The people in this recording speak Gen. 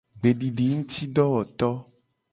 Gbedidingutidowoto.